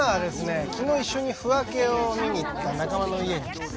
昨日一緒に腑分けを見に行った仲間の家に来てます。